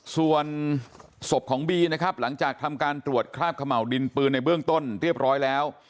ส่วนศพของบีนะครับหลังจากทำการตรวจคราบขม่าวดินปืนในเบื้องต้นเรียบร้อยแล้ว